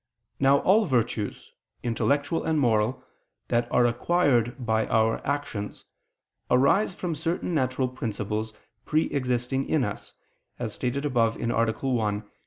Now all virtues, intellectual and moral, that are acquired by our actions, arise from certain natural principles pre existing in us, as above stated (A.